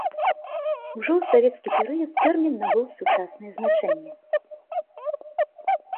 Ужо ў савецкі перыяд тэрмін набыў сучаснае значэння.